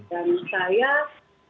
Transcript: dan saya sore tadi itu